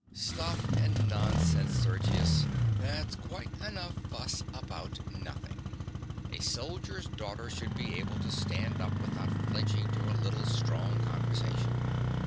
Stuff and nonsense, Sergius. That's quite enough fuss about nothing: a soldier's daughter should be able to stand up without flinching to a little strong conversation.